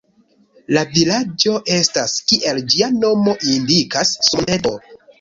La vilaĝo estas, kiel ĝia nomo indikas, sur monteto.